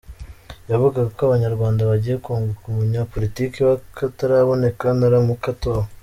yavugaga ko Abanyarwanda bagiye kunguka umunyapolitike w’akataraboneka naramuka atowe.